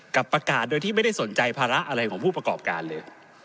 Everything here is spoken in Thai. กับประกาศโดยที่ไม่ได้สนใจภาระอะไรของผู้ประกอบการเลย